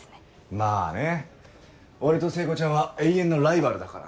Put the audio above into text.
まぁね俺と聖子ちゃんは永遠のライバルだからね。